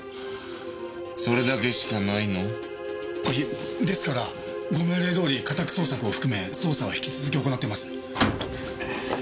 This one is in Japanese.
いえですからご命令どおり家宅捜索を含め捜査は引き続き行ってます。